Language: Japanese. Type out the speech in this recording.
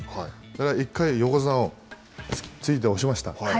だから１回、横綱を突いて押しました。